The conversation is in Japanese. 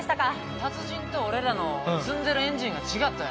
達人と俺らの積んでるエンジンが違ったよね。